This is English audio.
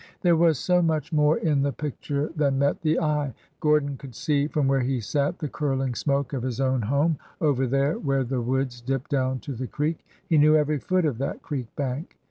There was so much more in the picture than met the eye. Gordon could see from where he sat the curling smoke of his own home, over there where the woods dipped down to the creek. He knew every foot of that creek bank.